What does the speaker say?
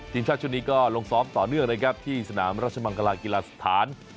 ทีมชาติชุดนี้ก็ลงซ้อมต่อเนื่องนะครับที่สนามราชมังกลากีฬาสถาน